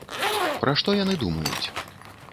Пра што яны думаюць?